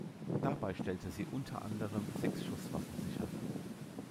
Dabei stellte sie unter anderem sechs Schusswaffen sicher.